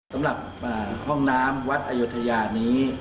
สำหรับห้องน้ำวัดอยุธยานี้